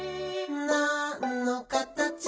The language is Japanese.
「なんのかたち？